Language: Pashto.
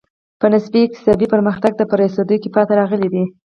په نسبي اقتصادي پرمختګ ته په رسېدو کې پاتې راغلي دي.